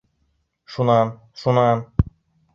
— Шунан, шунан?